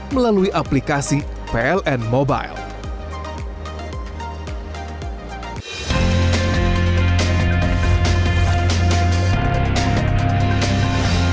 melalui aplikasi pln mobile